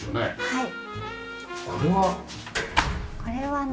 はい。